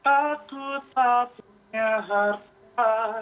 aku tak punya harpa